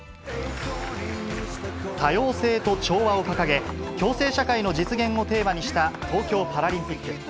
多様性と調和を掲げ、共生社会の実現をテーマにした東京パラリンピック。